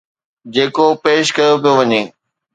جيڪو پيش ڪيو پيو وڃي